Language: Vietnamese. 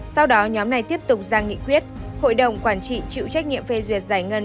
sau đó nhóm này tiếp tục ra nghị quyết hội đồng quản trị chịu trách nhiệm phê duyệt giải ngân